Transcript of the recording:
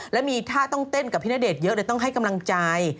แล้วมีท่าต้องเต้นกับพี่ณเดชน์เยอะเลยต้องให้กำลังใจ